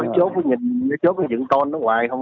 chốt dân phòng nhìn chốt dân con